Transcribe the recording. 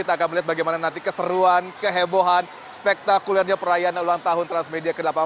kita akan melihat bagaimana nanti keseruan kehebohan spektakulernya perayaan ulang tahun transmedia ke delapan belas